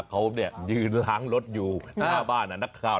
เขายืนล้างรถอยู่หน้าบ้านนักข่าว